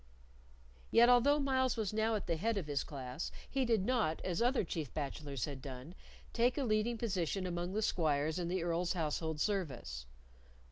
Yet, although Myles was now at the head of his class, he did not, as other chief bachelors had done, take a leading position among the squires in the Earl's household service.